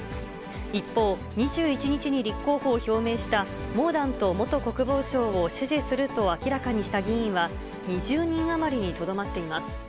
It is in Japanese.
一方、２１日に立候補を表明したモーダント元国防相を支持すると明らかにした議員は、２０人余りにとどまっています。